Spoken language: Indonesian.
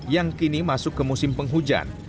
yang kini masuk ke musim penghujan